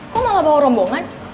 kok malah bawa rombongan